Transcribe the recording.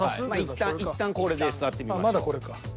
一旦これで座ってみましょう。